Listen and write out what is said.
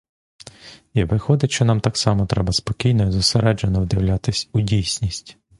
І виходить, що нам так само треба спокійно й зосереджено вдивлятись у дійсність.